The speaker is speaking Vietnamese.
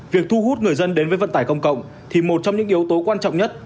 việc thu hút người dân đến với vận tải công cộng thì một trong những yếu tố quan trọng nhất